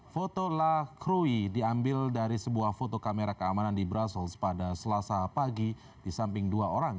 foto la krui diambil dari sebuah foto kamera keamanan di brussels pada selasa pagi di samping dua orang